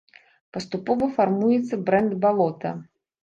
Паступова фармуецца брэнд балота.